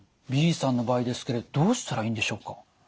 Ｂさんの場合ですけれどどうしたらいいんでしょうか？